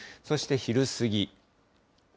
そして昼過ぎ。